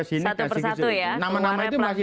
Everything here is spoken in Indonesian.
satu persatu ya nama nama itu masih